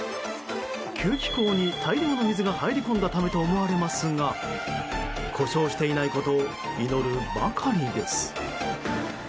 吸気口に大量の水が入り込んだためと思われますが故障していないことを祈るばかりです。